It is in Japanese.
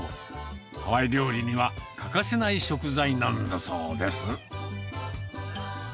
ハワイ料理には欠かせない食材なんだそうです。